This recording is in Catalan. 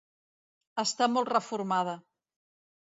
Està molt reformada.